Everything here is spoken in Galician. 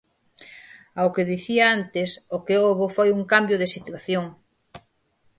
Ao que dicía antes, o que houbo foi un cambio de situación.